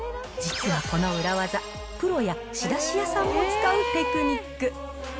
実はこの裏技、プロや仕出し屋さんも使うテクニック。